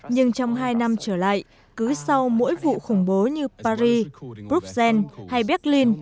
nhưng trong hai năm trở lại cứ sau mỗi vụ khủng bố như paris bruxelles hay berlin